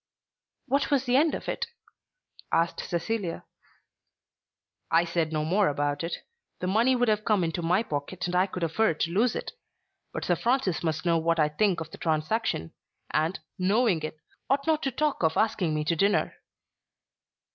"What was the end of it?" asked Cecilia. "I said no more about it. The money would have come into my pocket and I could afford to lose it. But Sir Francis must know what I think of the transaction, and, knowing it, ought not to talk of asking me to dinner."